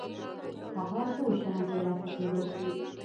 هغه ټول شيان تر لاسه کېدای شي.